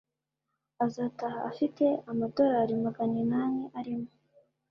azataha afite amadorari magana inani arimo